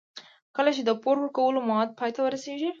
کله چې د پور ورکولو موده پای ته ورسېږي